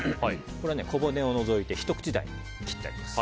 これは小骨を除いてひと口大に切ってあります。